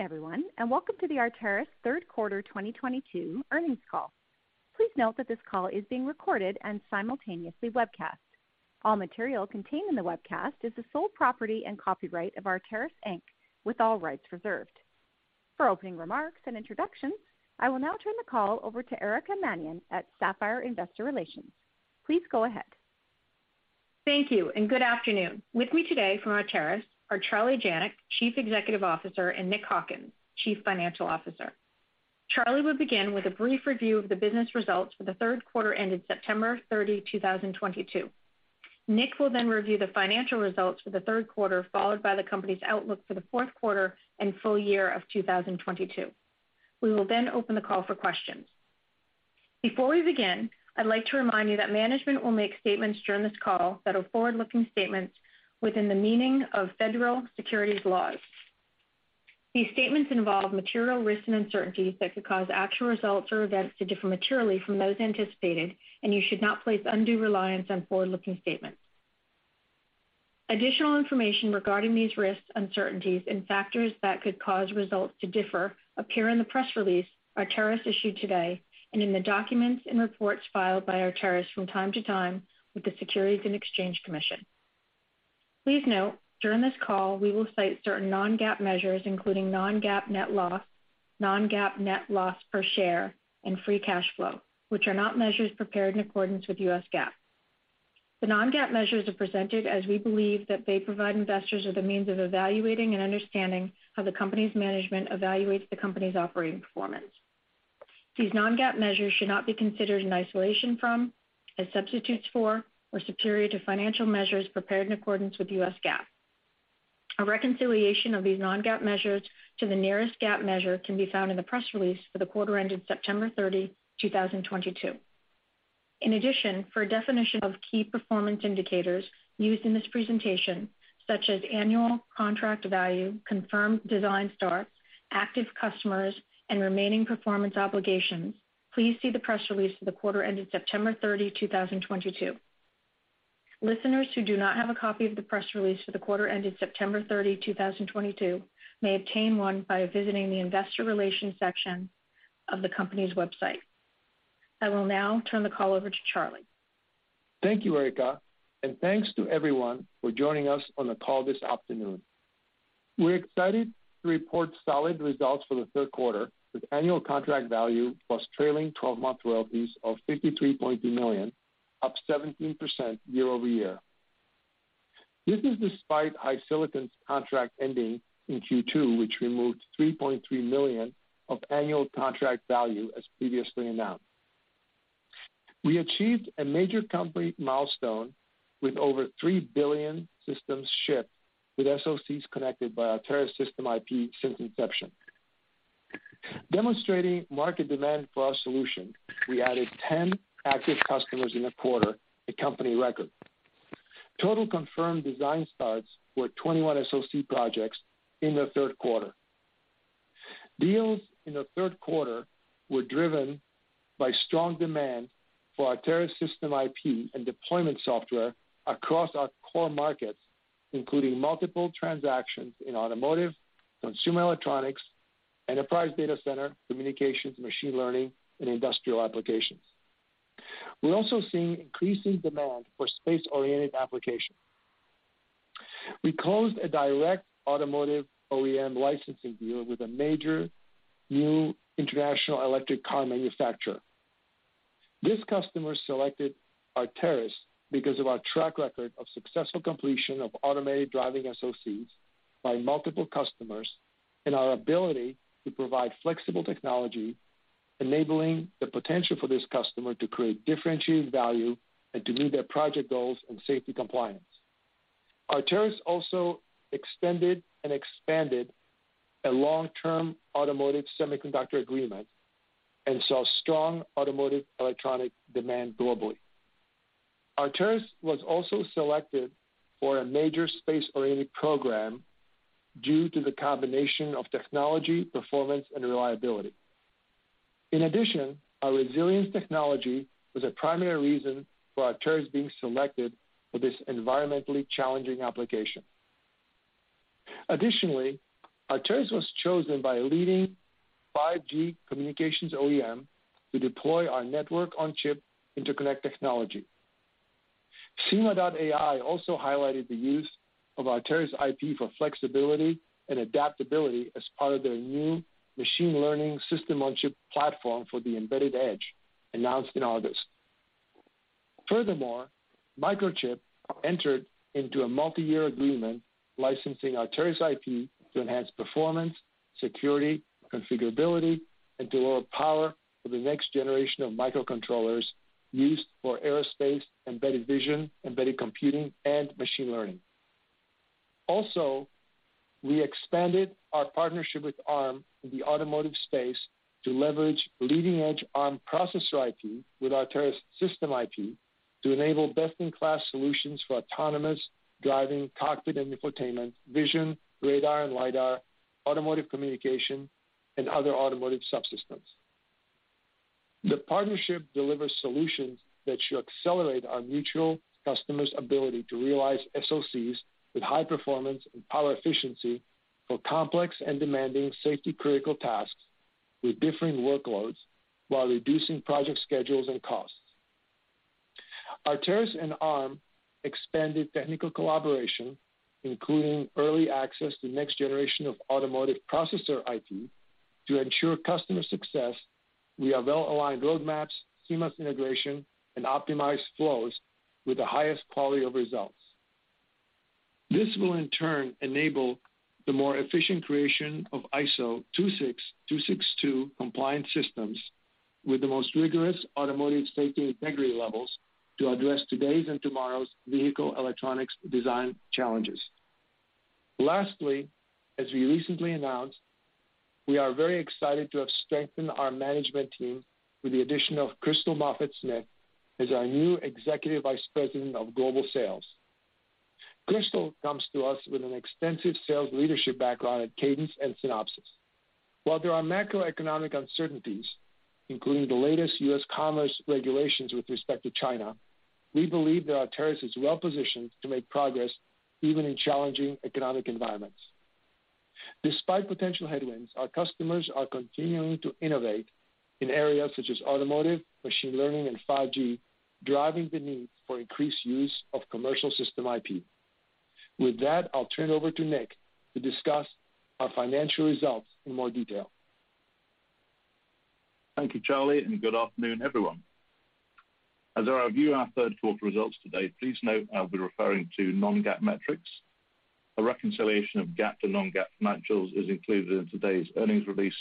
Good afternoon, everyone, and welcome to the Arteris Third Quarter 2022 Earnings call. Please note that this call is being recorded and simultaneously webcast. All material contained in the webcast is the sole property and copyright of Arteris, Inc., with all rights reserved. For opening remarks and introductions, I will now turn the call over to Erica Mannion at Sapphire Investor Relations. Please go ahead. Thank you and good afternoon. With me today from Arteris are Charlie Janac, Chief Executive Officer, and Nick Hawkins, Chief Financial Officer. Charlie will begin with a brief review of the business results for the third quarter ended September 30, 2022. Nick will then review the financial results for the third quarter, followed by the company's outlook for the fourth quarter and full year of 2022. We will then open the call for questions. Before we begin, I'd like to remind you that management will make statements during this call that are forward-looking statements within the meaning of federal securities laws. These statements involve material risks and uncertainties that could cause actual results or events to differ materially from those anticipated, and you should not place undue reliance on forward-looking statements. Additional information regarding these risks, uncertainties and factors that could cause results to differ appear in the press release Arteris issued today and in the documents and reports filed by Arteris from time to time with the Securities and Exchange Commission. Please note, during this call, we will cite certain non-GAAP measures, including non-GAAP net loss, non-GAAP net loss per share, and free cash flow, which are not measures prepared in accordance with U.S. GAAP. The non-GAAP measures are presented as we believe that they provide investors with a means of evaluating and understanding how the company's management evaluates the company's operating performance. These non-GAAP measures should not be considered in isolation from, as substitutes for, or superior to financial measures prepared in accordance with U.S. GAAP. A reconciliation of these non-GAAP measures to the nearest GAAP measure can be found in the press release for the quarter ended September 30, 2022. In addition, for a definition of key performance indicators used in this presentation, such as Annual Contract Value, Confirmed Design Starts, active customers, and remaining performance obligations, please see the press release for the quarter ended September 30, 2022. Listeners who do not have a copy of the press release for the quarter ended September 30, 2022, may obtain one by visiting the investor relations section of the company's website. I will now turn the call over to Charlie. Thank you, Erica, and thanks to everyone for joining us on the call this afternoon. We're excited to report solid results for the third quarter with Annual Contract Value plus trailing twelve-month royalties of $53.2 million, up 17% year-over-year. This is despite HiSilicon's contract ending in Q2, which removed $3.3 million of Annual Contract Value as previously announced. We achieved a major company milestone with over 3 billion systems shipped with SoCs connected by Arteris System IP since inception. Demonstrating market demand for our solution, we added 10 active customers in the quarter, a company record. Total Confirmed Design Starts were 21 SoC projects in the third quarter. Deals in the third quarter were driven by strong demand for Arteris System IP and deployment software across our core markets, including multiple transactions in automotive, consumer electronics, enterprise data center, communications, machine learning, and industrial applications. We're also seeing increasing demand for space-oriented applications. We closed a direct automotive OEM licensing deal with a major new international electric car manufacturer. This customer selected Arteris because of our track record of successful completion of automated driving SoCs by multiple customers and our ability to provide flexible technology, enabling the potential for this customer to create differentiated value and to meet their project goals and safety compliance. Arteris also extended and expanded a long-term automotive semiconductor agreement and saw strong automotive electronic demand globally. Arteris was also selected for a major space-oriented program due to the combination of technology, performance, and reliability. In addition, our resilience technology was a primary reason for Arteris being selected for this environmentally challenging application. Additionally, Arteris was chosen by a leading 5G communications OEM to deploy our Network-on-Chip interconnect technology. SiMa.ai also highlighted the use of Arteris IP for flexibility and adaptability as part of their new machine learning system-on-chip platform for the embedded edge announced in August. Furthermore, Microchip entered into a multi-year agreement licensing Arteris IP to enhance performance, security, configurability, and to lower power for the next generation of microcontrollers used for aerospace, embedded vision, embedded computing, and machine learning. Also, we expanded our partnership with Arm in the automotive space to leverage leading-edge Arm processor IP with Arteris System IP to enable best-in-class solutions for autonomous driving, cockpit and infotainment, vision, radar and lidar, automotive communication, and other automotive subsystems. The partnership delivers solutions that should accelerate our mutual customers' ability to realize SoCs with high performance and power efficiency for complex and demanding safety critical tasks with differing workloads while reducing project schedules and costs. Arteris and Arm expanded technical collaboration, including early access to next generation of automotive processor IP. To ensure customer success, we have well-aligned roadmaps, seamless integration, and optimized flows with the highest quality of results. This will in turn enable the more efficient creation of ISO 26262 compliance systems with the most rigorous automotive safety integrity levels to address today's and tomorrow's vehicle electronics design challenges. Lastly, as we recently announced, we are very excited to have strengthened our management team with the addition of Christel Mauffet-Smith as our new Executive Vice President of Global Sales. Christel comes to us with an extensive sales leadership background at Cadence and Synopsys. While there are macroeconomic uncertainties, including the latest U.S. commerce regulations with respect to China, we believe that Arteris is well positioned to make progress even in challenging economic environments. Despite potential headwinds, our customers are continuing to innovate in areas such as automotive, machine learning, and 5G, driving the need for increased use of commercial System IP. With that, I'll turn it over to Nick to discuss our financial results in more detail. Thank you, Charlie, and good afternoon, everyone. As I review our third quarter results today, please note I'll be referring to non-GAAP metrics. A reconciliation of GAAP to non-GAAP financials is included in today's earnings release,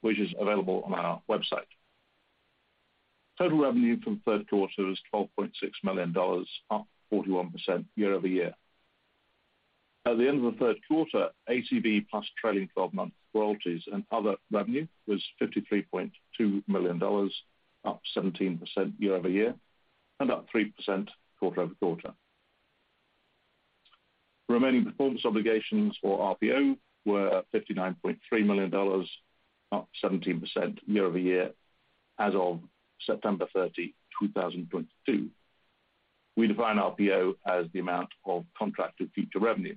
which is available on our website. Total revenue from third quarter was $12.6 million, up 41% year-over-year. At the end of the third quarter, ACV plus trailing 12 royalties and other revenue was $53.2 million, up 17% year-over-year, and up 3% quarter-over-quarter. Remaining performance obligations for RPO were $59.3 million, up 17% year-over-year as of September 30, 2022. We define RPO as the amount of contracted future revenue.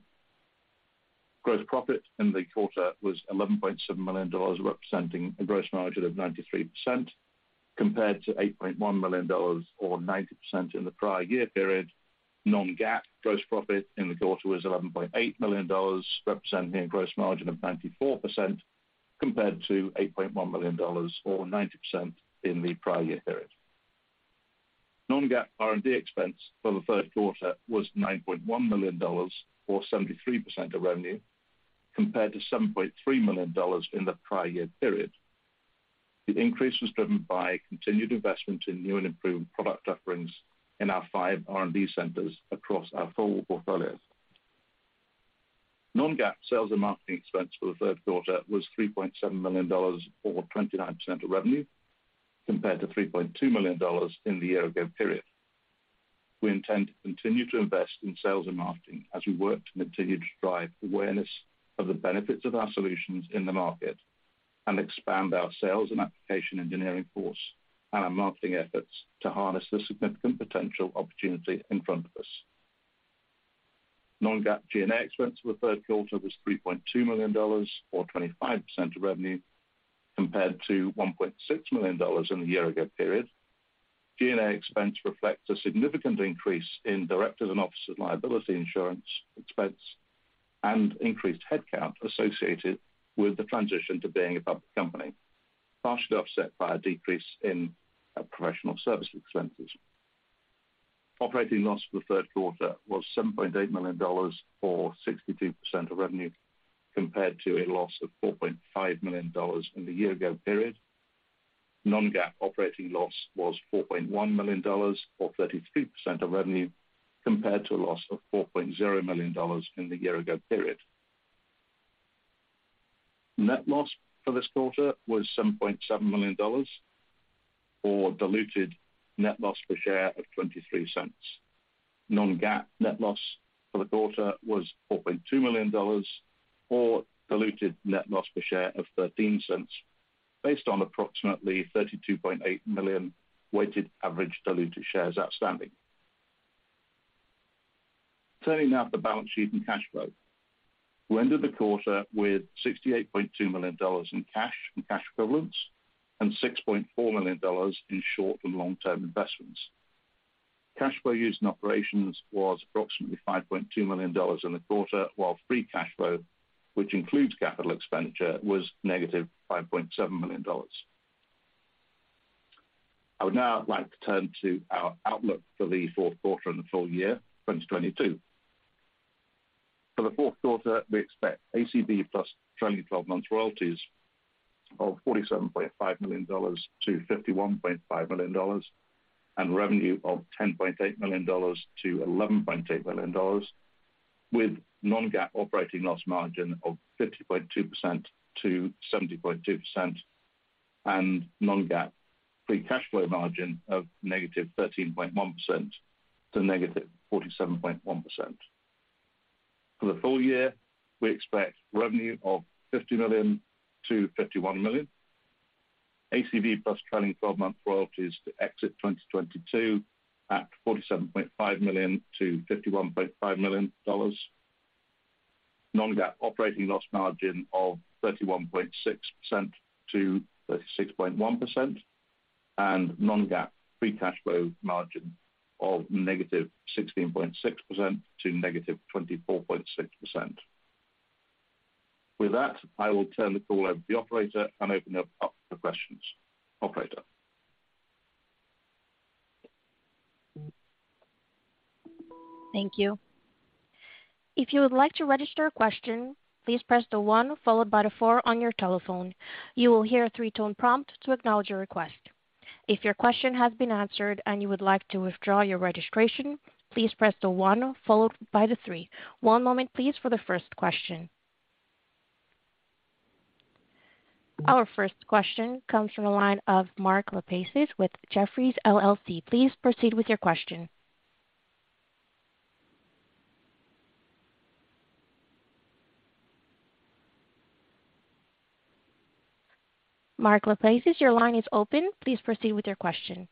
Gross profit in the quarter was $11.7 million, representing a gross margin of 93%, compared to $8.1 million or 90% in the prior year period. Non-GAAP gross profit in the quarter was $11.8 million, representing a gross margin of 94%, compared to $8.1 million or 90% in the prior year period. Non-GAAP R&D expense for the third quarter was $9.1 million or 73% of revenue, compared to $7.3 million in the prior year period. The increase was driven by continued investment in new and improved product offerings in our five R&D centers across our full portfolio. Non-GAAP sales and marketing expense for the third quarter was $3.7 million or 29% of revenue, compared to $3.2 million in the year ago period. We intend to continue to invest in sales and marketing as we work to continue to drive awareness of the benefits of our solutions in the market and expand our sales and application engineering force and our marketing efforts to harness the significant potential opportunity in front of us. Non-GAAP G&A expense for the third quarter was $3.2 million or 25% of revenue, compared to $1.6 million in the year ago period. G&A expense reflects a significant increase in directors and officers liability insurance expense and increased headcount associated with the transition to being a public company, partially offset by a decrease in professional service expenses. Operating loss for the third quarter was $7.8 million or 62% of revenue, compared to a loss of $4.5 million in the year ago period. Non-GAAP operating loss was $4.1 million or 32% of revenue, compared to a loss of $4.0 million in the year ago period. Net loss for this quarter was $7.7 million or diluted net loss per share of $0.23. Non-GAAP net loss for the quarter was $4.2 million or diluted net loss per share of $0.13 based on approximately 32.8 million weighted average diluted shares outstanding. Turning now to the balance sheet and cash flow. We ended the quarter with $68.2 million in cash and cash equivalents and $6.4 million in short and long-term investments. Cash flow used in operations was approximately $5.2 million in the quarter, while free cash flow, which includes capital expenditure, was -$5.7 million. I would now like to turn to our outlook for the fourth quarter and the full year 2022. For the fourth quarter, we expect ACV plus trailing 12 months royalties of $47.5 million-$51.5 million and revenue of $10.8 million-$11.8 million, with non-GAAP operating loss margin of 50.2%-70.2% and non-GAAP free cash flow margin of -13.1% to -47.1%. For the full year, we expect revenue of $50 million-$51 million. ACV plus trailing 12 month royalties to exit 2022 at $47.5 million-$51.5 million. Non-GAAP operating loss margin of 31.6%-36.1% and non-GAAP free cash flow margin of -16.6% to -24.6%. With that, I will turn the call over to the operator and open it up for questions. Operator? Thank you. If you would like to register a question, please press the one followed by the four on your telephone. You will hear a three-tone prompt to acknowledge your request. If your question has been answered and you would like to withdraw your registration, please press the one followed by the three. One moment please for the first question. Our first question comes from the line of Mark Lipacis with Jefferies LLC. Please proceed with your question. Mark Lipacis, your line is open. Please proceed with your question.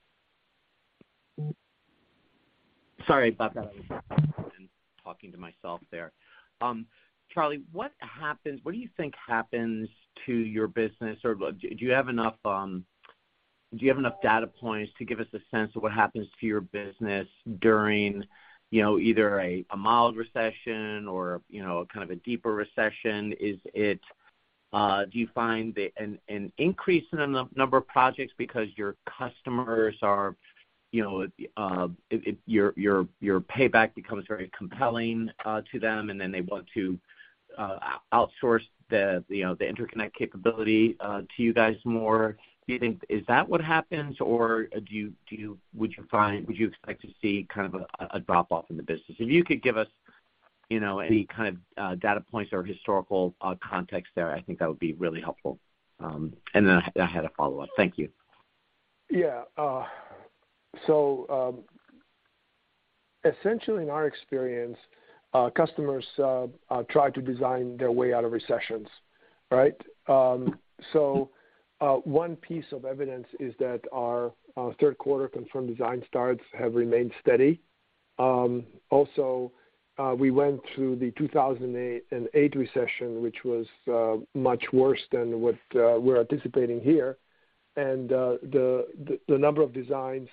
Sorry about that. I was talking to myself there. Charlie, what do you think happens to your business, or do you have enough data points to give us a sense of what happens to your business during, you know, either a mild recession or, you know, kind of a deeper recession? Is it an increase in the number of projects because your customers are, you know, your payback becomes very compelling to them, and then they want to, you know, outsource the interconnect capability to you guys more. Do you think, is that what happens or would you expect to see kind of a drop-off in the business? If you could give us, you know, any kind of data points or historical context there, I think that would be really helpful. I had a follow-up. Thank you. Yeah. Essentially in our experience, customers try to design their way out of recessions, right? One piece of evidence is that our third quarter Confirmed Design Starts have remained steady. Also, we went through the 2008 recession, which was much worse than what we're anticipating here. The number of designs,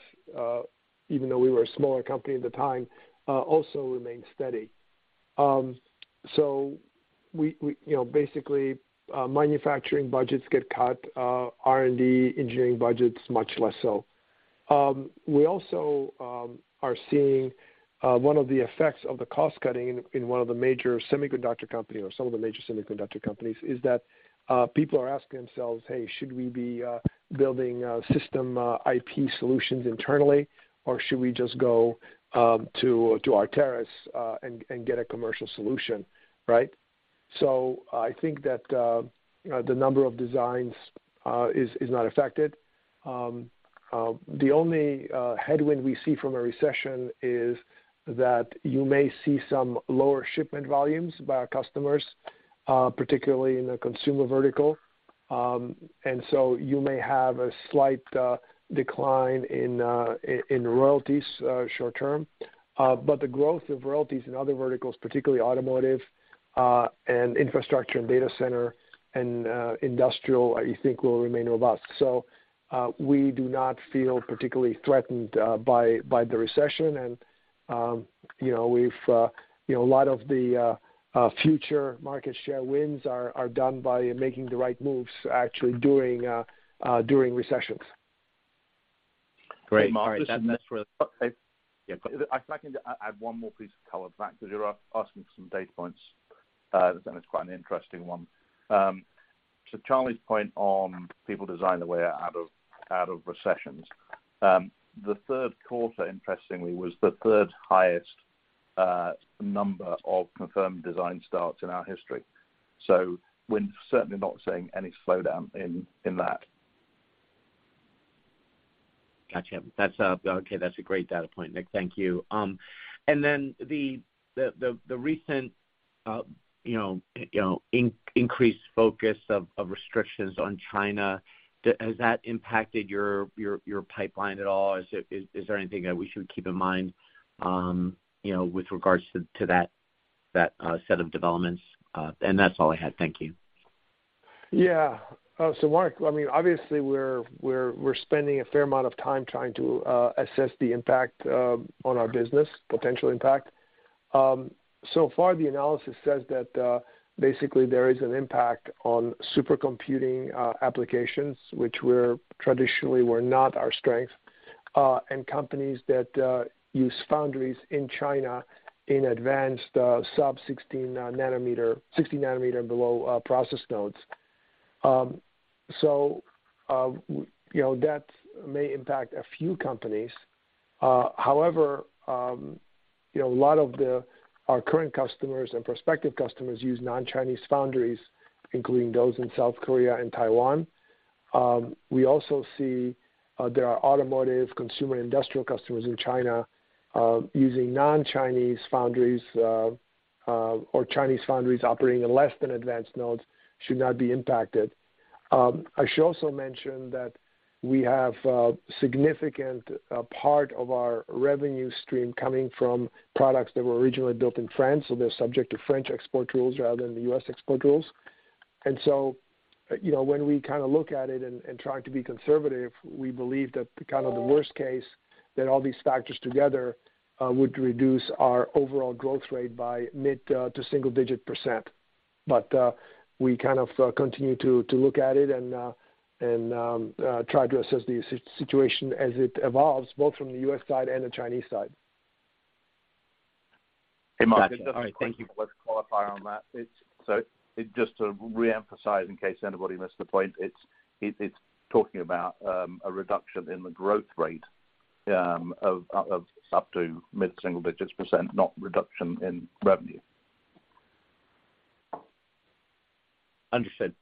even though we were a smaller company at the time, also remained steady. We, you know, basically, manufacturing budgets get cut, R&D engineering budgets much less so. We also are seeing one of the effects of the cost cutting in one of the major semiconductor company or some of the major semiconductor companies is that people are asking themselves, "Hey, should we be building System IP solutions internally or should we just go to Arteris and get a commercial solution," right? I think that you know the number of designs is not affected. The only headwind we see from a recession is that you may see some lower shipment volumes by our customers particularly in the consumer vertical. You may have a slight decline in royalties short-term. The growth of royalties in other verticals, particularly automotive, and infrastructure and data center and industrial, I think will remain robust. We do not feel particularly threatened by the recession and, you know, a lot of the future market share wins are done by making the right moves actually during recessions. Great. All right. Mark, if I can add one more piece of color to that, because you're asking for some data points, then it's quite an interesting one. To Charlie's point on people design their way out of recessions, the third quarter, interestingly, was the third highest number of Confirmed Design Starts in our history. We're certainly not seeing any slowdown in that. Gotcha. That's okay, that's a great data point, Nick. Thank you. Then the recent, you know, increased focus of restrictions on China, has that impacted your pipeline at all? Is there anything that we should keep in mind, you know, with regards to that set of developments? That's all I had. Thank you. Yeah. Mark, I mean, obviously we're spending a fair amount of time trying to assess the impact on our business, potential impact. So far the analysis says that basically there is an impact on supercomputing applications, which were traditionally not our strength, and companies that use foundries in China in advanced sub-16 nanometer, 60 nanometer and below process nodes. You know, that may impact a few companies. However, you know, a lot of our current customers and prospective customers use non-Chinese foundries, including those in South Korea and Taiwan. We also see there are automotive consumer industrial customers in China using non-Chinese foundries or Chinese foundries operating in less than advanced nodes should not be impacted. I should also mention that we have significant part of our revenue stream coming from products that were originally built in France. They're subject to French export rules rather than the U.S. export rules. You know, when we kind of look at it and try to be conservative, we believe that the kind of the worst case, that all these factors together would reduce our overall growth rate by mid- to single-digit %. We kind of continue to look at it and try to assess the situation as it evolves, both from the U.S. side and the Chinese side. Hey, Mark. Gotcha. All right, thank you. One qualifier on that. Just to reemphasize, in case anybody missed the point, it's talking about a reduction in the growth rate of up to mid-single digits percentage, not reduction in revenue. Understood.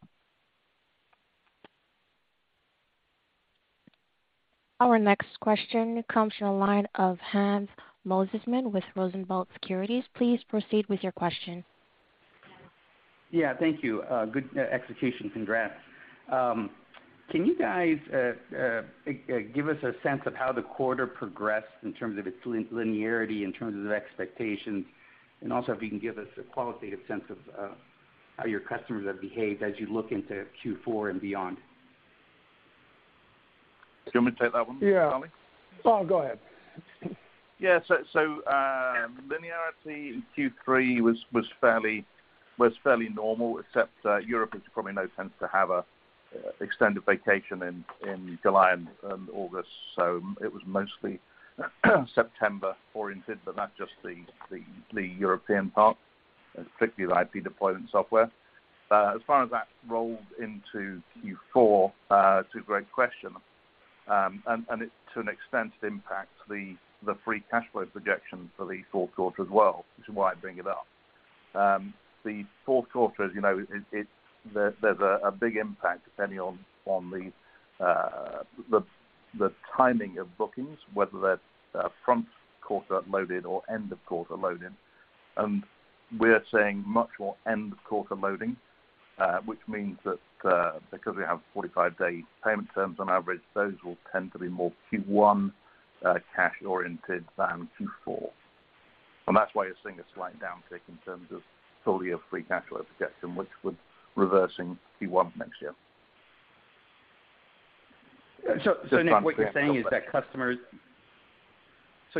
Our next question comes from the line of Hans Mosesmann with Rosenblatt Securities. Please proceed with your question. Yeah, thank you. Good execution. Congrats. Can you guys give us a sense of how the quarter progressed in terms of its linearity, in terms of the expectations, and also if you can give us a qualitative sense of how your customers have behaved as you look into Q4 and beyond? Do you want me to take that one, Charlie? Yeah. Oh, go ahead. Linearity in Q3 was fairly normal, except Europe. It's probably nonsense to have an extended vacation in July and August, so it was mostly September oriented, but that's just the European part, particularly the IP deployment software. As far as that rolled into Q4, it's a great question. It, to an extent, impacts the free cash flow projections for the fourth quarter as well, which is why I bring it up. The fourth quarter, as you know, there's a big impact depending on the timing of bookings, whether they're front quarter loaded or end of quarter loading. We're seeing much more end of quarter loading, which means that because we have 45-day payment terms on average, those will tend to be more Q1 cash oriented than Q4. That's why you're seeing a slight downtick in terms of full year free cash flow projection, which would reverse in Q1 next year. Nick, what you're saying is that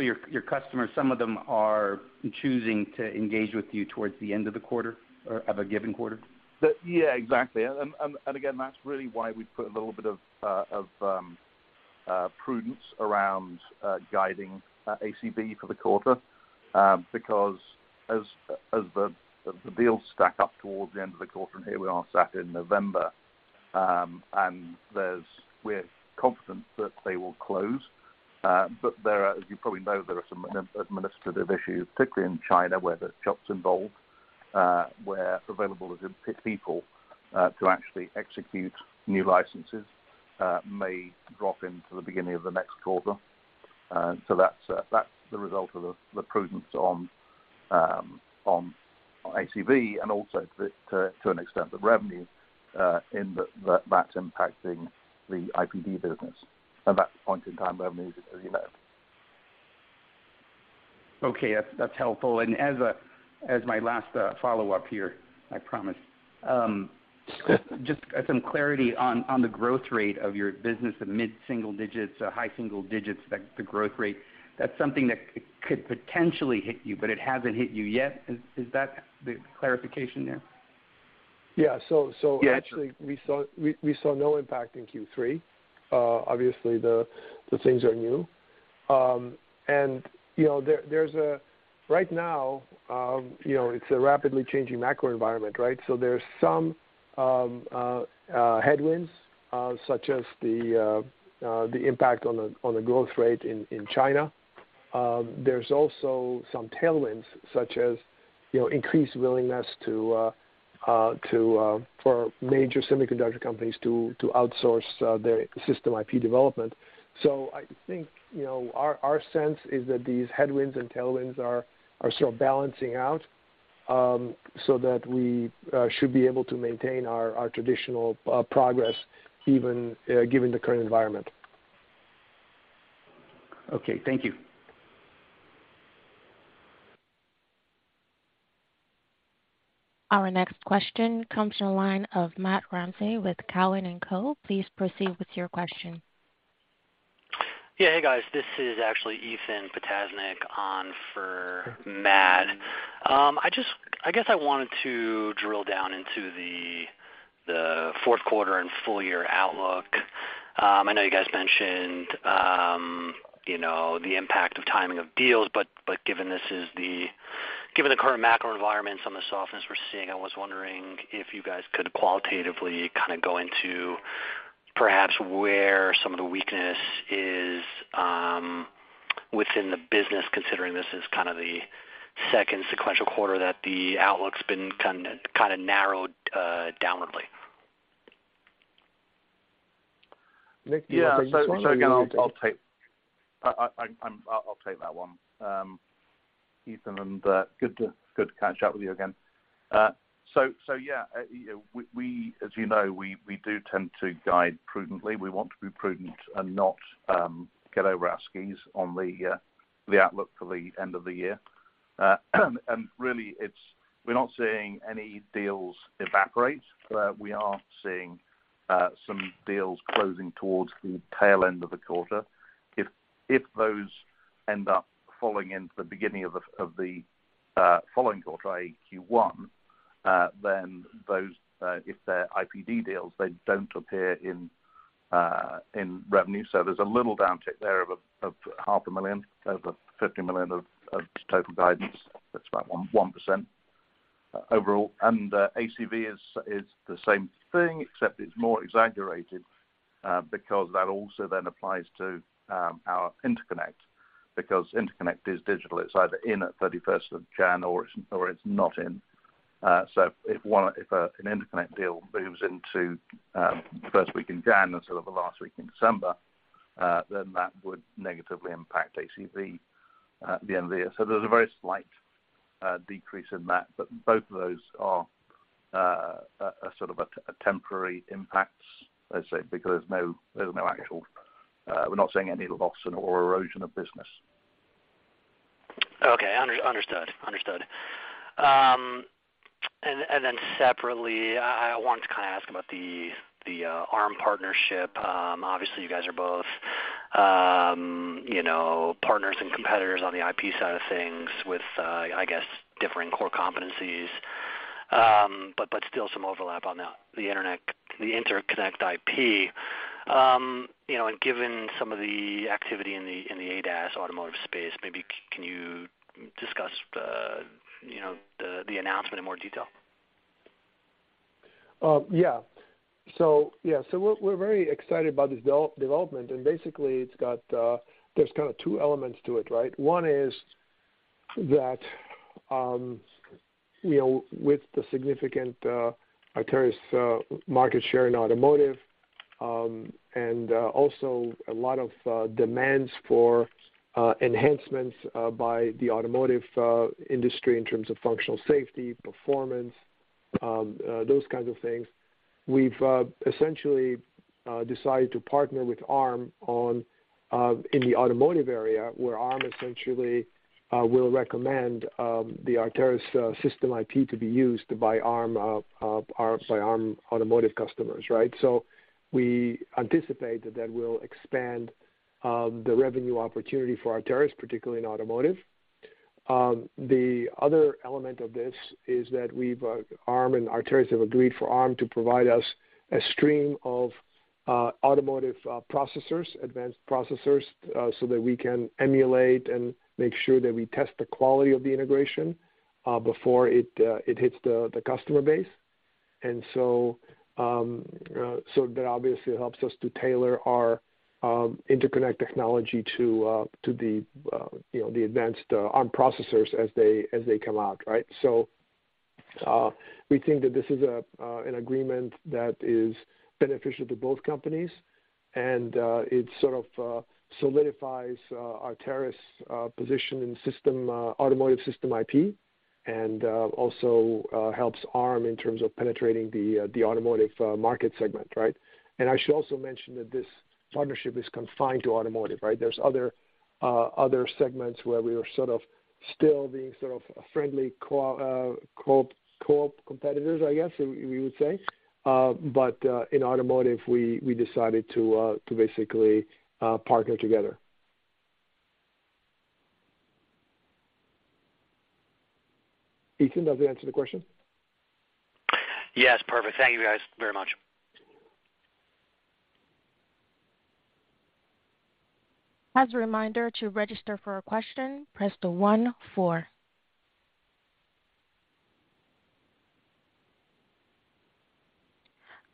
your customers, some of them are choosing to engage with you towards the end of the quarter or of a given quarter? Yeah, exactly. That's really why we put a little bit of prudence around guiding ACV for the quarter. Because as the deals stack up towards the end of the quarter, and here we are sat in November, and we're confident that they will close. But there are, as you probably know, some administrative issues, particularly in China, where there are jobs involved, where availability of people to actually execute new licenses may drop into the beginning of the next quarter. So that's the result of the prudence on ACV and also to an extent, the revenue that's impacting the IPD business. At that point in time, revenue, as you know. Okay. That's helpful. As my last follow-up here, I promise. Just some clarity on the growth rate of your business in mid-single digits or high single digits, the growth rate. That's something that could potentially hit you, but it hasn't hit you yet. Is that the clarification there? Yeah. Yeah, sure. Actually, we saw no impact in Q3. Obviously, the things are new. You know, right now, you know, it's a rapidly changing macro environment, right? There's some headwinds such as the impact on the growth rate in China. There's also some tailwinds such as, you know, increased willingness for major semiconductor companies to outsource their System IP development. I think, you know, our sense is that these headwinds and tailwinds are sort of balancing out, so that we should be able to maintain our traditional progress even given the current environment. Okay, thank you. Our next question comes from the line of Matt Ramsay with Cowen and Co. Please proceed with your question. Yeah. Hey, guys. This is actually Ethan Potaschnick on for Matt Ramsay. I guess I wanted to drill down into the fourth quarter and full year outlook. I know you guys mentioned, you know, the impact of timing of deals, but given the current macro environment, some of the softness we're seeing, I was wondering if you guys could qualitatively kind of go into perhaps where some of the weakness is within the business, considering this is kind of the second sequential quarter that the outlook's been kind of narrowed downwardly. Nick, do you want to take this one or do you want me to take it? Yeah. Again, I'll take that one, Ethan, and good to catch up with you again. Yeah, you know, as you know, we do tend to guide prudently. We want to be prudent and not get over our skis on the outlook for the end of the year. Really it's we are not seeing any deals evaporate, but we are seeing some deals closing towards the tail end of the quarter. If those end up falling into the beginning of the following quarter, i.e., Q1, then those, if they're IPD deals, they don't appear in revenue. There's a little downtick there of half a million of the $50 million of total guidance. That's about 1% overall. ACV is the same thing, except it's more exaggerated, because that also then applies to our interconnect, because interconnect is digital. It's either in at January 31 or it's not in. If an interconnect deal moves into the first week in January instead of the last week in December, then that would negatively impact ACV at the end of the year. There's a very slight decrease in that, but both of those are a sort of temporary impacts, I'd say, because there's no actual, we're not seeing any loss in or erosion of business. Okay. Understood. And then separately, I want to kind of ask about the Arm partnership. Obviously you guys are both, you know, partners and competitors on the IP side of things with, I guess, differing core competencies. But still some overlap on the interconnect IP. You know, and given some of the activity in the ADAS automotive space, maybe can you discuss the, you know, the announcement in more detail? We're very excited about this development, and basically, there are kind of two elements to it, right? One is that, you know, with the significant Arteris market share in automotive, and also a lot of demands for enhancements by the automotive industry in terms of functional safety, performance, those kinds of things, we've essentially decided to partner with Arm in the automotive area where Arm essentially will recommend the Arteris system IP to be used by Arm automotive customers, right? We anticipate that will expand the revenue opportunity for Arteris, particularly in automotive. The other element of this is that we've Arm and Arteris have agreed for Arm to provide us a stream of automotive processors, advanced processors, so that we can emulate and make sure that we test the quality of the integration before it hits the customer base. That obviously helps us to tailor our interconnect technology to the you know the advanced Arm processors as they come out, right? We think that this is an agreement that is beneficial to both companies and it sort of solidifies Arteris' position in system automotive system IP and also helps Arm in terms of penetrating the automotive market segment, right? I should also mention that this partnership is confined to automotive, right? There's other segments where we are sort of still being sort of friendly co-op competitors, I guess, we would say. In automotive we decided to basically partner together. Ethan, does that answer the question? Yes. Perfect. Thank you guys very much. As a reminder, to register for a question, press the one four.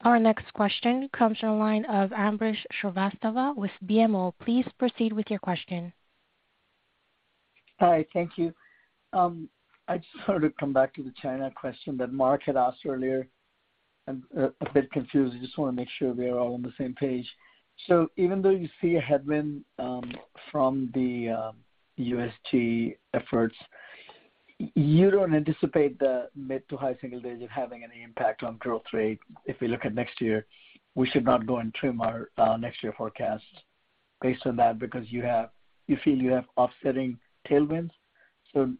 Our next question comes from the line of Ambrish Srivastava with BMO. Please proceed with your question. Hi. Thank you. I just wanted to come back to the China question that Mark had asked earlier. I'm a bit confused. I just wanna make sure we're all on the same page. Even though you see a headwind from the U.S. DoC efforts, you don't anticipate the mid to high single digits having any impact on growth rate if we look at next year. We should not go and trim our next year forecast based on that because you feel you have offsetting tailwinds.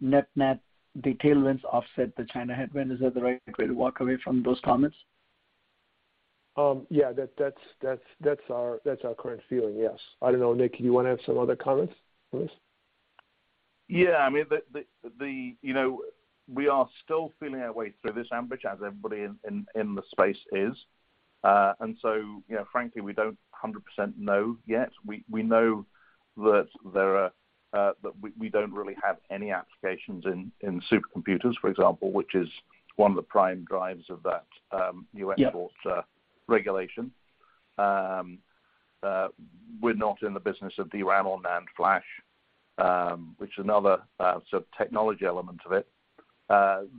Net-net, the tailwinds offset the China headwind. Is that the right way to walk away from those comments? Yeah, that's our current feeling, yes. I don't know, Nick, you wanna add some other comments on this? Yeah. I mean, the, you know, we are still feeling our way through this, Ambrish, as everybody in the space is. You know, frankly, we don't 100% know yet. We know that there are that we don't really have any applications in supercomputers, for example, which is one of the prime drivers of that, U.S. import- Yeah regulation. We're not in the business of DRAM or NAND flash, which is another sort of technology element of it.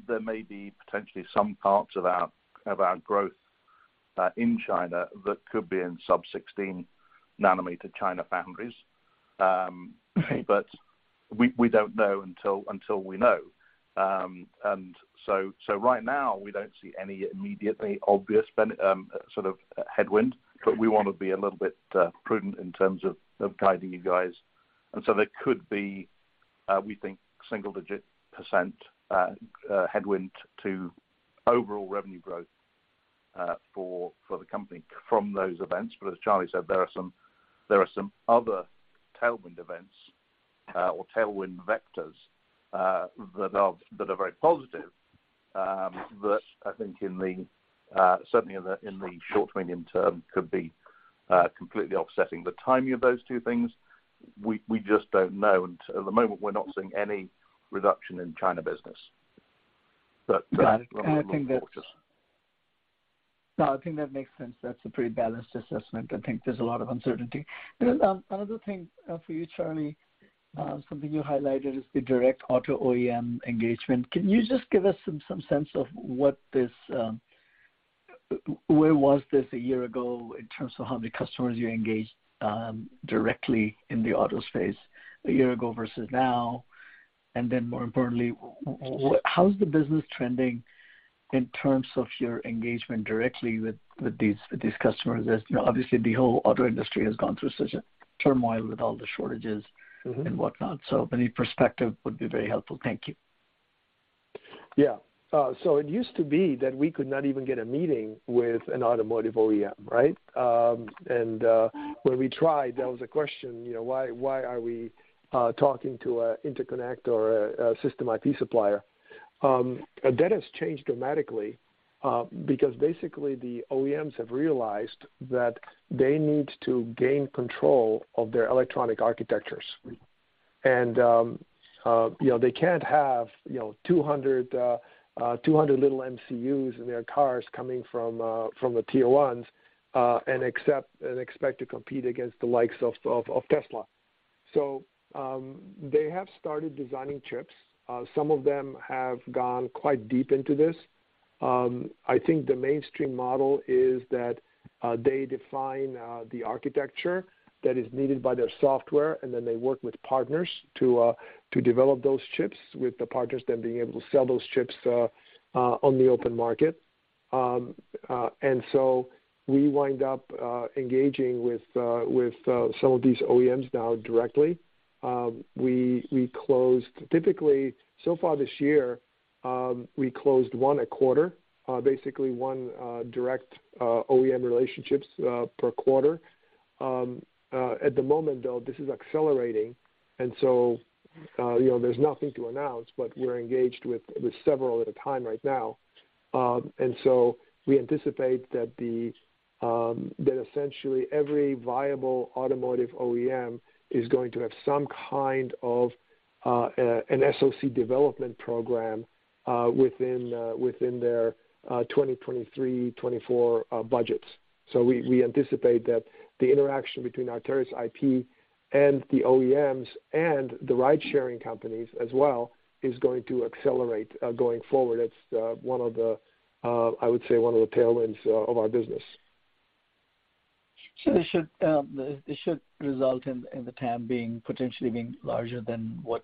There may be potentially some parts of our growth in China that could be in sub-16 nanometer China foundries. But we don't know until we know. Right now we don't see any immediately obvious sort of headwind, but we want to be a little bit prudent in terms of guiding you guys. There could be, we think single-digit percent headwind to overall revenue growth for the company from those events. As Charlie said, there are some other tailwind events or tailwind vectors that are very positive that I think certainly in the short to medium term could be completely offsetting. The timing of those two things, we just don't know. At the moment, we're not seeing any reduction in China business. Got it. I think that makes sense. That's a pretty balanced assessment. I think there's a lot of uncertainty. There is another thing for you, Charlie, something you highlighted is the direct auto OEM engagement. Can you just give us some sense of where this was a year ago in terms of how many customers you engaged directly in the auto space a year ago versus now? Then more importantly, how is the business trending in terms of your engagement directly with these customers? As you know, obviously the whole auto industry has gone through such a turmoil with all the shortages. Mm-hmm and whatnot. Any perspective would be very helpful. Thank you. Yeah. It used to be that we could not even get a meeting with an automotive OEM, right? When we tried, that was a question, you know, why are we talking to an interconnect or a System IP supplier? That has changed dramatically, because basically the OEMs have realized that they need to gain control of their electronic architectures. You know, they can't have, you know, 200 little MCUs in their cars coming from the tier ones, and accept and expect to compete against the likes of Tesla. They have started designing chips. Some of them have gone quite deep into this. I think the mainstream model is that they define the architecture that is needed by their software, and then they work with partners to develop those chips with the partners then being able to sell those chips on the open market. We wind up engaging with some of these OEMs now directly. We closed typically so far this year one a quarter, basically one direct OEM relationships per quarter. At the moment, though, this is accelerating, so you know, there's nothing to announce, but we're engaged with several at a time right now. We anticipate that essentially every viable automotive OEM is going to have some kind of an SoC development program within their 2023, 2024 budgets. We anticipate that the interaction between Arteris IP and the OEMs and the ride sharing companies as well is going to accelerate going forward. It's one of the, I would say one of the tailwinds of our business. It should result in the TAM being potentially larger than what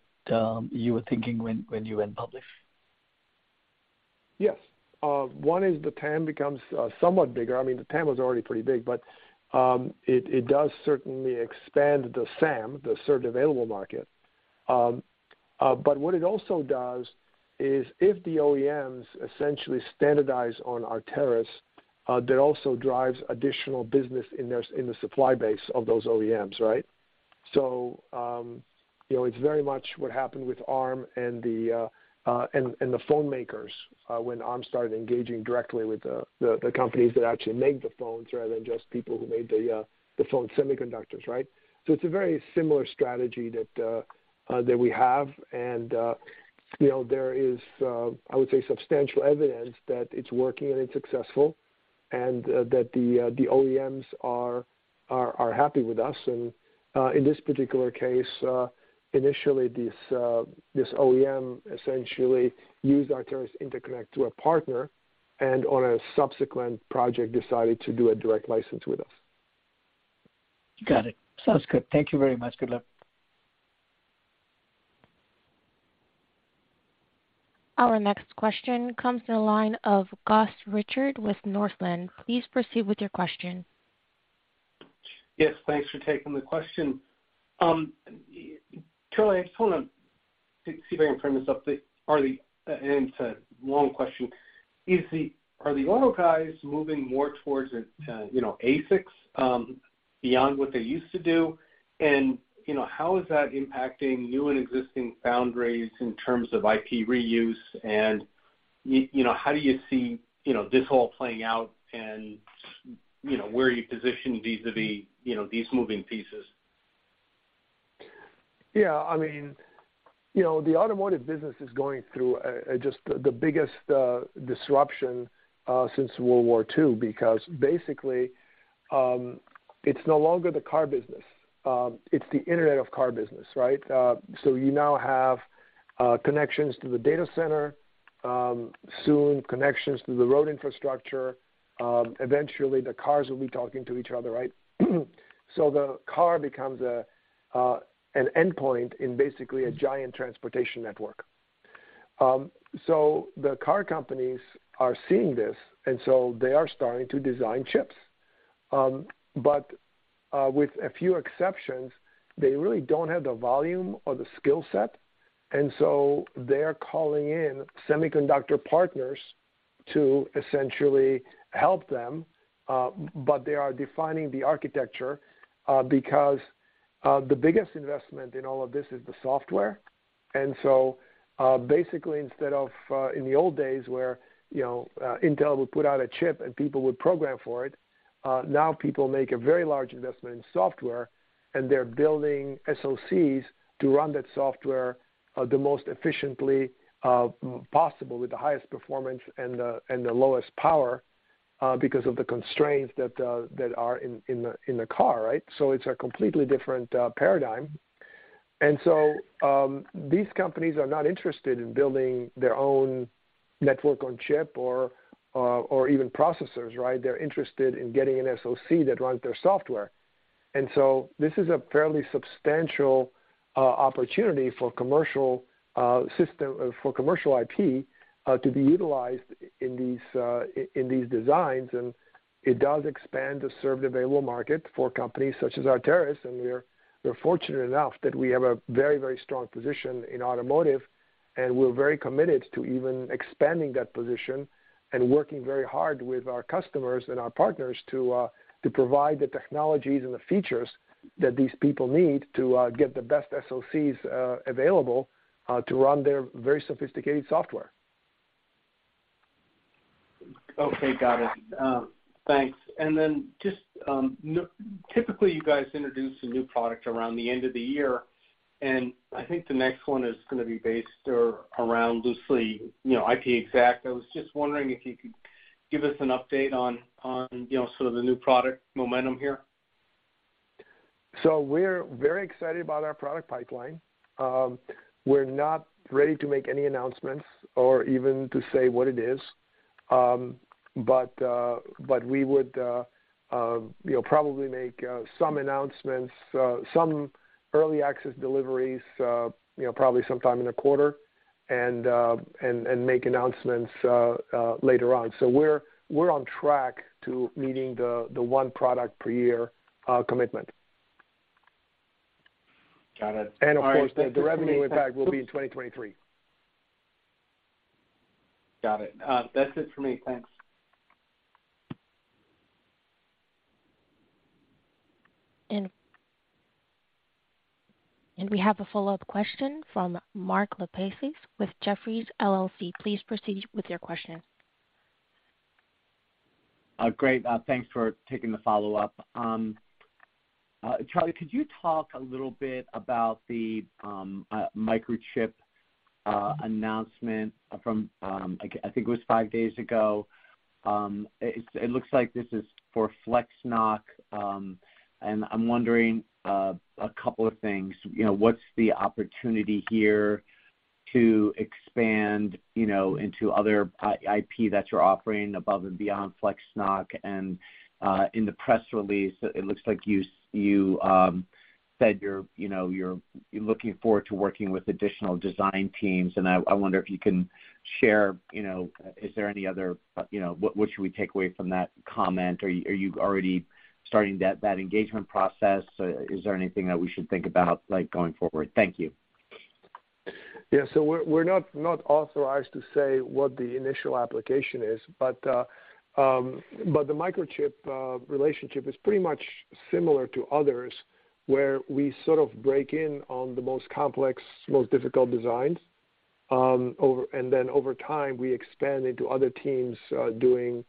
you were thinking when you went public? Yes. One is the TAM becomes somewhat bigger. I mean, the TAM was already pretty big, but it does certainly expand the SAM, the Served Available Market. But what it also does is if the OEMs essentially standardize on Arteris, that also drives additional business in their in the supply base of those OEMs, right? So, you know, it's very much what happened with Arm and the phone makers, when Arm started engaging directly with the companies that actually make the phones rather than just people who made the phone semiconductors, right? It's a very similar strategy that we have and, you know, there is, I would say, substantial evidence that it's working and it's successful and that the OEMs are happy with us. In this particular case, initially this OEM essentially used Arteris interconnect through a partner and on a subsequent project decided to do a direct license with us. Got it. Sounds good. Thank you very much. Good luck. Our next question comes to the line of Gus Richard with Northland. Please proceed with your question. Yes, thanks for taking the question. Charlie, I just wanna see if I can frame this up, or the end of a long question. Are the auto guys moving more towards, you know, ASICs, beyond what they used to do? You know, how is that impacting new and existing foundries in terms of IP reuse? You know, how do you see, you know, this all playing out and, you know, where are you positioned vis-a-vis, you know, these moving pieces? Yeah, I mean, you know, the automotive business is going through just the biggest disruption since World War II because basically it's no longer the car business. It's the internet of car business, right? You now have connections to the data center, soon connections to the road infrastructure, eventually the cars will be talking to each other, right? The car becomes an endpoint in basically a giant transportation network. The car companies are seeing this, and so they are starting to design chips. With a few exceptions, they really don't have the volume or the skill set, and so they're calling in semiconductor partners to essentially help them, but they are defining the architecture because the biggest investment in all of this is the software. Basically instead of in the old days where you know Intel would put out a chip and people would program for it now people make a very large investment in software and they're building SoCs to run that software the most efficiently possible with the highest performance and the lowest power because of the constraints that are in the car right? It's a completely different paradigm. These companies are not interested in building their own network on chip or even processors right? They're interested in getting an SoC that runs their software. This is a fairly substantial opportunity for commercial IP to be utilized in these designs, and it does expand the served available market for companies such as Arteris. We're fortunate enough that we have a very strong position in automotive, and we're very committed to even expanding that position and working very hard with our customers and our partners to provide the technologies and the features that these people need to get the best SoCs available to run their very sophisticated software. Okay. Got it. Thanks. Typically, you guys introduce a new product around the end of the year, and I think the next one is gonna be based or around loosely, you know, IP-XACT. I was just wondering if you could give us an update on, you know, sort of the new product momentum here. We're very excited about our product pipeline. We're not ready to make any announcements or even to say what it is. But we would, you know, probably make some announcements, some early access deliveries, you know, probably sometime in the quarter and make announcements later on. We're on track to meeting the one product per year commitment. Got it. All right. Of course, the revenue impact will be in 2023. Got it. That's it for me. Thanks. We have a follow-up question from Mark Lipacis with Jefferies LLC. Please proceed with your question. Great. Thanks for taking the follow-up. Charlie, could you talk a little bit about the Microchip announcement from, I think it was five days ago. It looks like this is for FlexNoC. I'm wondering a couple of things. You know, what's the opportunity here to expand, you know, into other IP that you're offering above and beyond FlexNoC? In the press release, it looks like you said you're looking forward to working with additional design teams, and I wonder if you can share, you know. What should we take away from that comment? Are you already starting that engagement process? Is there anything that we should think about, like, going forward? Thank you. Yeah. We're not authorized to say what the initial application is, but the Microchip relationship is pretty much similar to others, where we sort of break in on the most complex, most difficult designs. Over time, we expand into other teams doing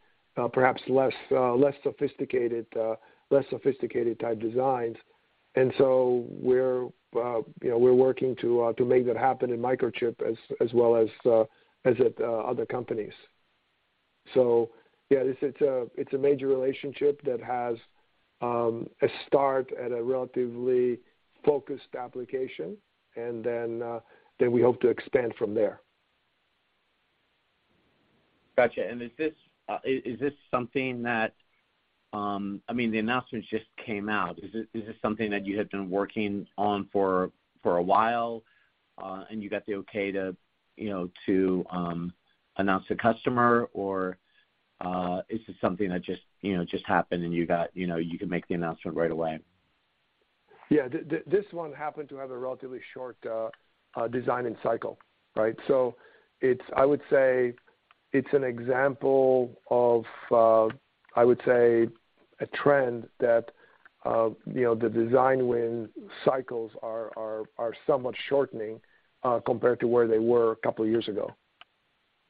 perhaps less sophisticated type designs. You know, we're working to make that happen in Microchip as well as at other companies. Yeah, it's a major relationship that has a start at a relatively focused application and then we hope to expand from there. Gotcha. Is this something that I mean, the announcement just came out. Is this something that you had been working on for a while and you got the okay to, you know, to announce the customer? Is this something that just, you know, just happened and you could make the announcement right away? Yeah. This one happened to have a relatively short design cycle, right? It's, I would say, an example of, I would say, a trend that, you know, the design win cycles are somewhat shortening, compared to where they were a couple years ago.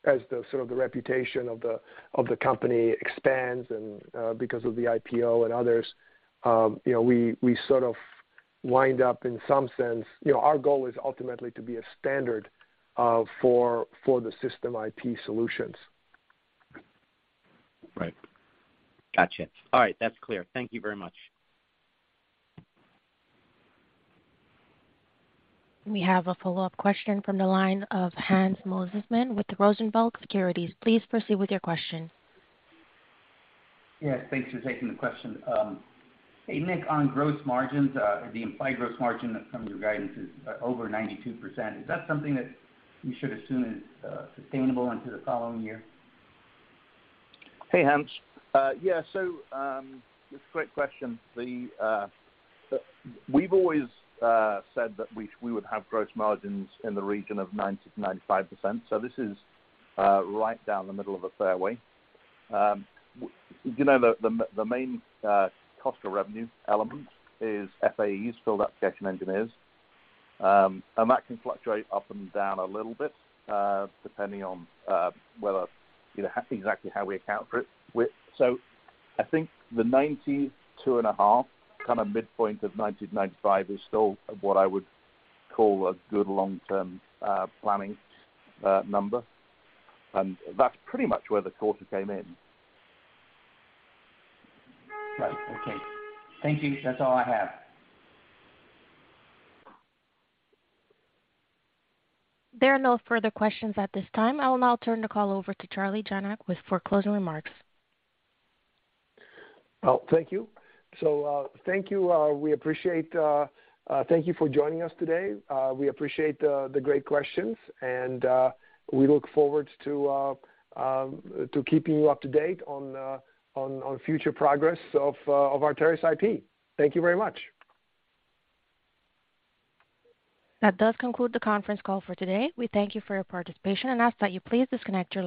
As the sort of the reputation of the of the company expands and, because of the IPO and others, you know, we sort of wind up in some sense. You know, our goal is ultimately to be a standard for the System IP solutions. Right. Gotcha. All right. That's clear. Thank you very much. We have a follow-up question from the line of Hans Mosesmann with Rosenblatt Securities. Please proceed with your question. Yes, thanks for taking the question. Hey, Nick, on gross margins, the implied gross margin from your guidance is over 92%. Is that something that you should assume is sustainable into the following year? Hey, Hans. It's a great question. We've always said that we would have gross margins in the region of 90%-95%, so this is right down the middle of the fairway. You know, the main cost of revenue element is FAEs, field application engineers. And that can fluctuate up and down a little bit, depending on whether, you know, exactly how we account for it. So, I think the 92.5 kind of midpoint of 90%-95% is still what I would call a good long-term planning number. And that's pretty much where the quarter came in. Right. Okay. Thank you. That's all I have. There are no further questions at this time. I will now turn the call over to Charlie Janac with closing remarks. Oh, thank you. Thank you, we appreciate, thank you for joining us today. We appreciate the great questions, and we look forward to keeping you up to date on future progress of Arteris IP. Thank you very much. That does conclude the conference call for today. We thank you for your participation and ask that you please disconnect your line.